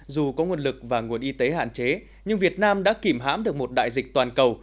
dù có nguồn lực và nguồn y tế hạn chế nhưng việt nam đã kìm hãm được một đại dịch toàn cầu